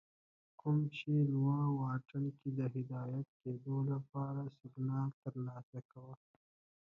کوم چې اوږد واټن کې د هدایت کېدو لپاره سگنال ترلاسه کوه